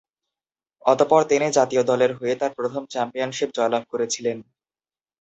অতঃপর তিনি জাতীয় দলের হয়ে তার প্রথম চ্যাম্পিয়নশিপ জয়লাভ করেছিলেন।